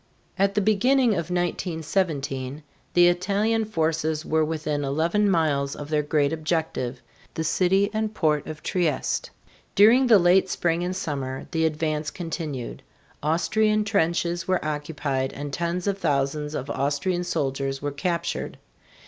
At the beginning of 1917 the Italian forces were within eleven miles of their great objective, the city and port of Trieste. During the late spring and summer the advance continued. Austrian trenches were occupied and tens of thousands of Austrian soldiers were captured.